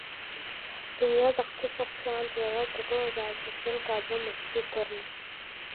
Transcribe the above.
Дзыниаз ахҭыс иақәшәаанӡа, лара лҭагылазаашьа рзеилкааӡомызт, уи дырны.